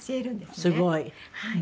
すごい。